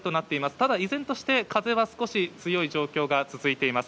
ただ、依然として風は少し強い状況が続いています。